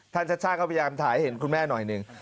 ท่านชัชช่าก็พยายามถ่ายเห็นคุณแม่หน่อยนึง